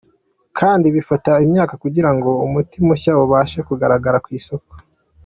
Kandi bifata imyaka kugira ngo umuti mushya ubashe kugaragara ku isoko.